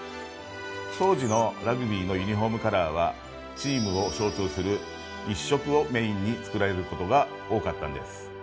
当時のラグビーのユニフォームカラーはチームを象徴する１色をメインに作られることが多かったんです。